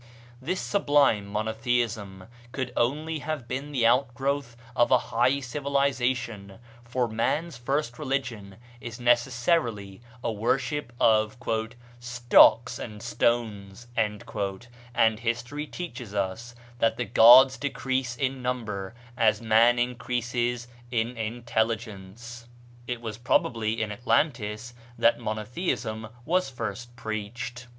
This sublime monotheism could only have been the outgrowth of a high civilization, for man's first religion is necessarily a worship of "stocks and stones," and history teaches us that the gods decrease in number as man increases in intelligence. It was probably in Atlantis that monotheism was first preached.